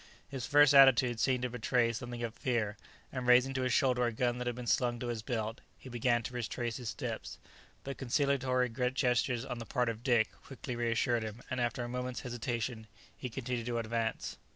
His first attitude seemed to betray something of fear; and raising to his shoulder a gun that had been slung to his belt, he began to retrace his steps; but conciliatory gestures on the part of Dick quickly reassured him, and after a moment's hesitation, he continued to advance.